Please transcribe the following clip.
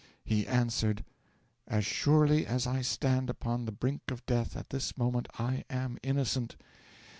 'He answered: '"As surely as I stand upon the brink of death at this moment, I am innocent.